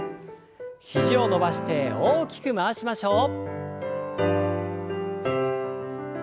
肘を伸ばして大きく回しましょう。